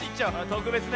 とくべつね。